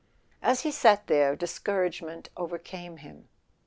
As he sat there, discouragement overcame him.